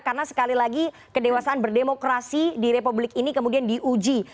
karena sekali lagi kedewasaan berdemokrasi di republik ini kemudian diuji